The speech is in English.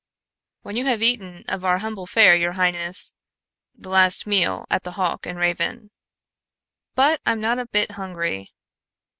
"When you have eaten of our humble fare, your highness, the last meal at the Hawk and Raven." "But I'm not a bit hungry."